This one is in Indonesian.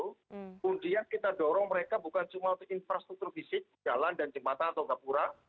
kemudian kita dorong mereka bukan cuma untuk infrastruktur fisik jalan dan jembatan atau gapura